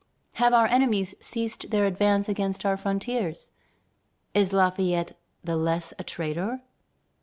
Have our enemies ceased their advance against our frontiers? Is Lafayette the less a traitor?"